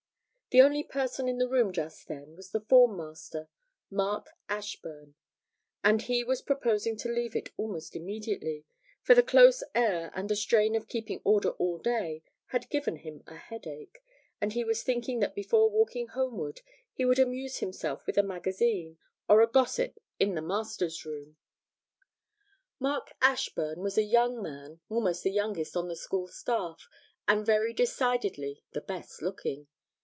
The only person in the room just then was the form master, Mark Ashburn; and he was proposing to leave it almost immediately, for the close air and the strain of keeping order all day had given him a headache, and he was thinking that before walking homeward he would amuse himself with a magazine, or a gossip in the masters' room. Mark Ashburn was a young man, almost the youngest on the school staff, and very decidedly the best looking.